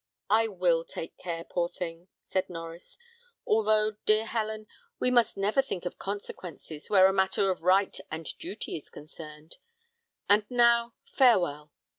"I will take care, poor thing," said Norries; "although, dear Helen, we must never think of consequences where a matter of right and duty is concerned; and now farewell."